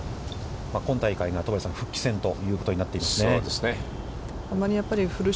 今大会が、復帰戦ということになっています。